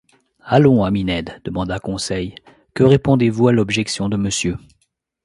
Allons, ami Ned, demanda Conseil, que répondez-vous à l’objection de monsieur ?